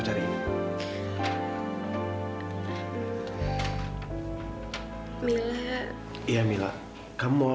kamila kangen banget sama makan